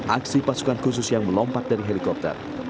aksi pasukan khusus yang melompat dari helikopter